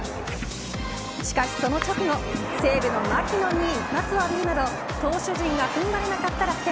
しかし、その直後西武のマキノンに一発を浴びるなど投手陣が踏ん張れなかった楽天。